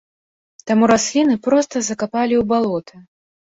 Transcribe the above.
Таму расліны проста закапалі ў балота.